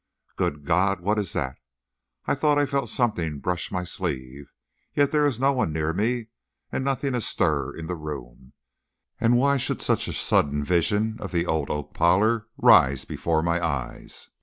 ..... Good God! what is that? I thought I felt something brush my sleeve. Yet there is no one near me, and nothing astir in the room! And why should such a sudden vision of the old oak parlor rise before my eyes?